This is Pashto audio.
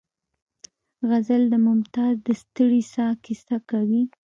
غزل د ممتاز د ستړې ساه کیسه کوي